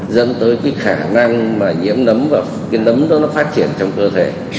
dẫn tới cái khả năng mà nhiễm nấm vào cái nấm đó nó phát triển trong cơ thể